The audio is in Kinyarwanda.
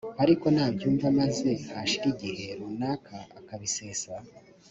ariko nabyumva maze hashira igihe runaka akabisesa